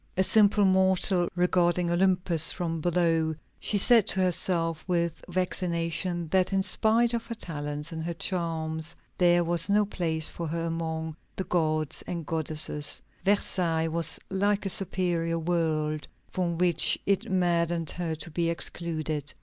A simple mortal, regarding Olympus from below, she said to herself with vexation, that in spite of her talents and her charms there was no place for her among the gods and goddesses. Versailles was like a superior world from which it maddened her to be excluded.